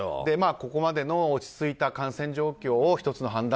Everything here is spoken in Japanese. ここまでの落ち着いた感染状況を１つの判断